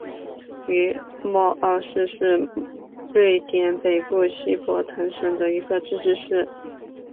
于默奥市是瑞典北部西博滕省的一个自治市。